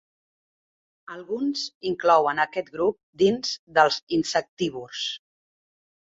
Alguns inclouen aquest grup dins dels insectívors.